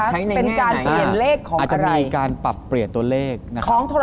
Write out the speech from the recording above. หยิบมาใช้เหมือนความว่าไงครับเป็นการเปลี่ยนเลขของอะไร